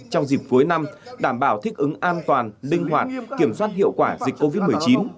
trong dịp cuối năm đảm bảo thích ứng an toàn linh hoạt kiểm soát hiệu quả dịch covid một mươi chín